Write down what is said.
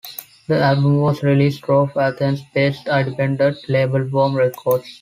The album was released through Athens-based independent label Warm Records.